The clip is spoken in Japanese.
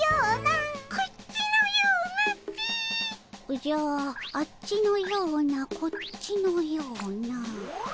おじゃあっちのようなこっちのような。